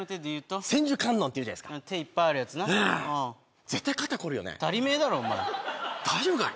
「千手観音」っていうじゃないすか手いっぱいあるやつなうん絶対肩凝るよねたりめえだろお前大丈夫かな？